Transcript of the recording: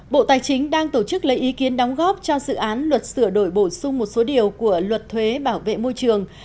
bộ tài chính đang tổ chức lấy ý kiến đóng góp cho dự án luật sửa đổi bổ sung một số điều của luật thuế bảo vệ môi trường